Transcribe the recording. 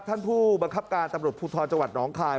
ท่านผู้บังคับการตำรวจภูทรจังหวัดน้องคาย